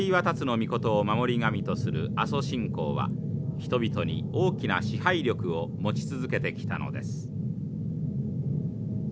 命を守り神とする阿蘇信仰は人々に大きな支配力を持ち続けてきたのです。